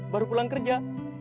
baru pulang kerja